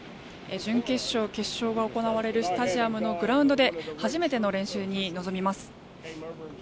準決勝決勝が行われるスタジアムのグラウンドで初めての練習に臨みます。